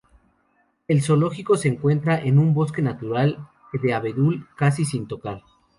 El zoológico se encuentra en un bosque natural, de abedul casi sin tocar.